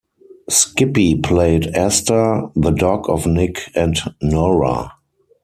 Skippy played Asta, the dog of Nick and Nora.